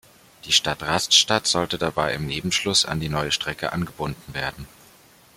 Die Stadt Rastatt sollte dabei im Nebenschluss an die neue Strecke angebunden werden.